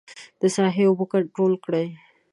د ساحې اوبه کنترول کړي.